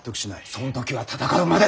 その時は戦うまで。